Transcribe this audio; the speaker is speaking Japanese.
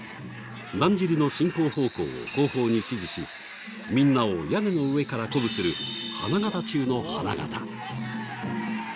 だんじりの進行方向を後方に指示しみんなを屋根の上から鼓舞する花形中の花形。